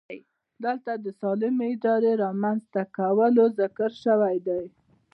دلته د سالمې ادارې د رامنځته کولو ذکر شوی دی.